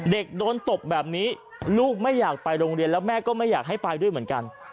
เด็กโดนตบแบบนี้ลูกไม่อยากไปโรงเรียนแล้วแม่ก็ไม่อยากให้ไปด้วยเหมือนกัน